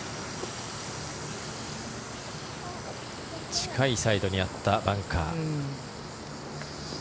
近いサイドにあったバンカー。